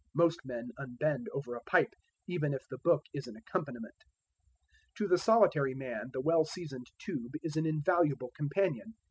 Most men unbend over a pipe, even if the book is an accompaniment. To the solitary man the well seasoned tube is an invaluable companion.